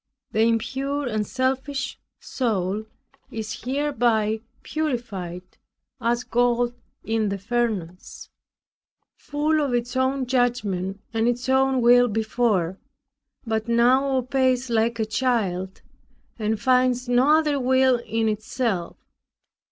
The impure and selfish soul, is hereby purified, as gold in the furnace. Full of its own judgment and its own will before, but now obeys like a child and finds no other will in itself.